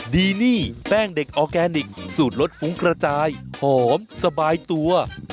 ดีนี่แป้งเด็กออร์แกนิคสูตรรสฟุ้งกระจายหอมสบายตัว